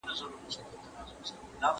¬ ستر گه په بڼو نه درنېږي.